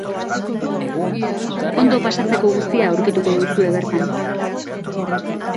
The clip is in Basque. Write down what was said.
Ondo pasatzeko guztia aurkituko duzue bertan.